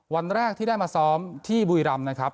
วันแรกที่ได้มาซ้อมที่บุรีรำนะครับ